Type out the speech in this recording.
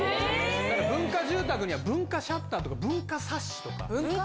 文化住宅には文化シャッターとか文化サッシとか。